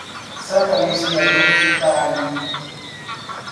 Santa Luzia do Itanhi